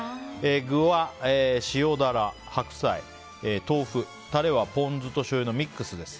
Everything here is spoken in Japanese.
具は塩ダラ、白菜、豆腐タレは、ポン酢としょうゆのミックスです。